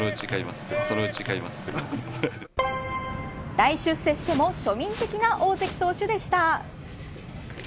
大出世しても庶民的な大関投手でした。